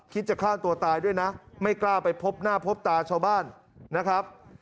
จะฆ่าตัวตายด้วยนะไม่กล้าไปพบหน้าพบตาชาวบ้านนะครับ